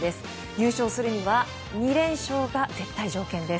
優勝するには２連勝が絶対条件です。